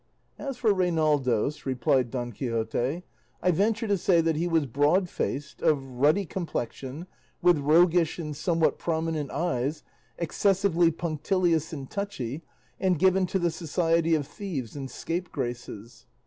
"As for Reinaldos," replied Don Quixote, "I venture to say that he was broad faced, of ruddy complexion, with roguish and somewhat prominent eyes, excessively punctilious and touchy, and given to the society of thieves and scapegraces.